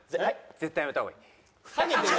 絶対やめた方がいい。